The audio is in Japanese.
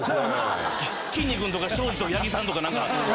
きんに君とか庄司と八木さんとか何か。